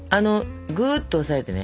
ぐっと押さえてね。